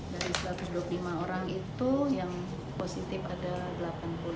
dari satu ratus dua puluh lima orang itu yang positif ada delapan puluh enam